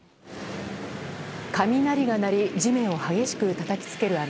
雷が鳴り地面を激しくたたきつける雨。